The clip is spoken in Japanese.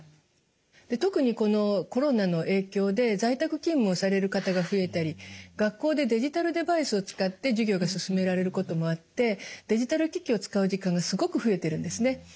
特にこのコロナの影響で在宅勤務をされる方が増えたり学校でデジタルデバイスを使って授業が進められることもあってデジタル機器を使う時間がすごく増えてるんですね。